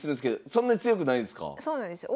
そうなんですよ。